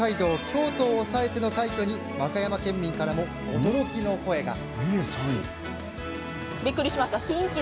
京都を抑えての快挙に和歌山県民からも驚きの声が。